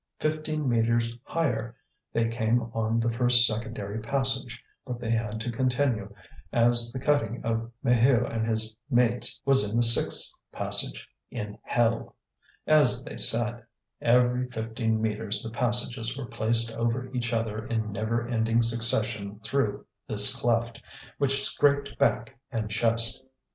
Fifteen metres higher they came on the first secondary passage, but they had to continue, as the cutting of Maheu and his mates was in the sixth passage, in hell, as they said; every fifteen metres the passages were placed over each other in never ending succession through this cleft, which scraped back and chest.